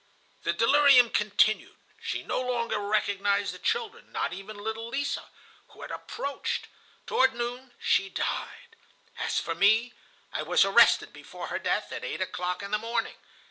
... "The delirium continued. She no longer recognized the children, not even little Lise, who had approached. Toward noon she died. As for me, I was arrested before her death, at eight o'clock in the morning.